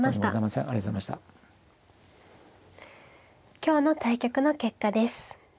今日の対局の結果です。